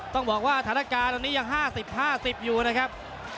ต้องบอกว่าสถานการณ์ตอนนี้ยัง๕๐๕๐อยู่นะครับ